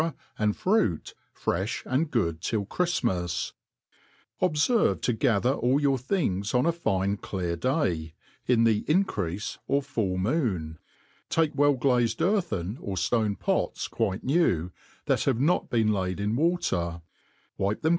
and Fruity frejh and good till Chri/imas, OBSERVE to gather all your things on a fine clear day, ' in the increafe or full moon ; take well ghzed earthen or ftone pots quite new, that have not been laid in water, wipe them.